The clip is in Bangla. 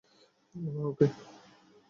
ওহ, ওকে!